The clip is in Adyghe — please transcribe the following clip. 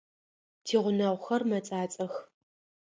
Тигъунэгъухэр мэцӏацӏэх.